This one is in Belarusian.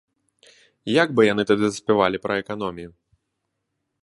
Як бы яны тады заспявалі пра эканомію!